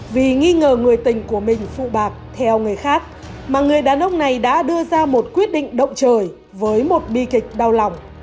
vì nghi ngờ người tình của mình phụ bạc theo người khác mà người đàn ông này đã đưa ra một quyết định động trời với một bi kịch đau lòng